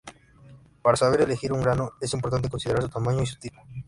Para saber elegir un grano es importante considerar su tamaño y su tipo.